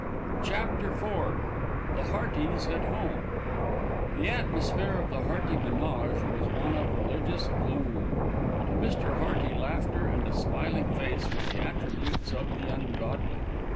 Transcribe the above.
CHAPTER IV THE HEARTYS AT HOME The atmosphere of the Hearty ménage was one of religious gloom. To Mr. Hearty laughter and a smiling face were the attributes of the ungodly.